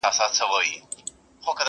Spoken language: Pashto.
ورکړې یې بوسه نه ده وعده یې د بوسې ده,